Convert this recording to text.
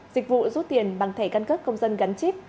dịch vụ rút tiền bằng thẻ căn cước công dân gắn chip